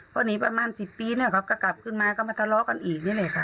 พอหนีประมาณ๑๐ปีเนี่ยเขาก็กลับขึ้นมาก็มาทะเลาะกันอีกนี่แหละค่ะ